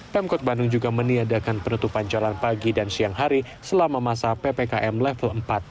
pemkot bandung juga meniadakan penutupan jalan pagi dan siang hari selama masa ppkm level empat